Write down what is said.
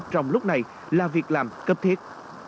trong lúc này là việc làm cấp thiết